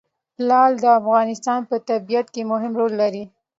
لعل د افغانستان په طبیعت کې مهم رول لري.